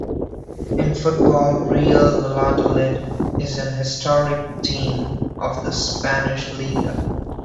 In football Real Valladolid is an historic team of the Spanish Liga.